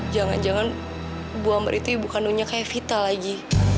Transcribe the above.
jangan jangan bu ambar itu ibu kandungnya kak evita lagi